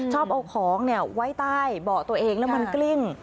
ชอบเอาของไว้ใต้เบาะตัวเองแล้วมันกลิ้ง